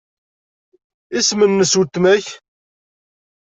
Isem-nnes weltma-k?